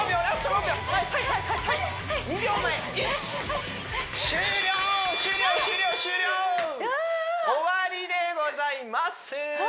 うわはあ終わりでございます